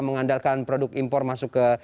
mengandalkan produk impor masuk ke